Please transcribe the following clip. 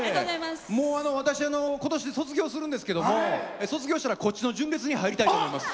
私ことし卒業するんですけども卒業したら、こっちの純烈に入りたいと思います。